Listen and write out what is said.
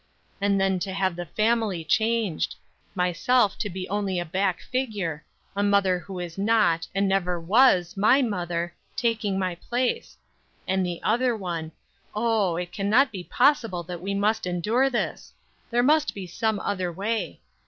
And then to have the family changed; myself to be only a back figure; a mother who is not, and never was my mother, taking my place; and the other one Oh, it can not be possible that we must endure this! There must be some other way.